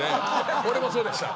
俺もそうでした。